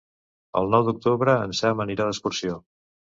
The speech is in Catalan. El nou d'octubre en Sam anirà d'excursió.